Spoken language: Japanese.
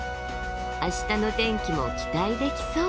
明日の天気も期待できそう。